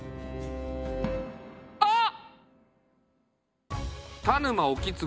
あっ！